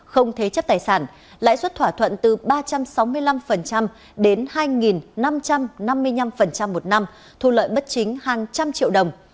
không thế chấp tài sản lãi suất thỏa thuận từ ba trăm sáu mươi năm đến hai năm trăm năm mươi năm một năm thu lợi bất chính hàng trăm triệu đồng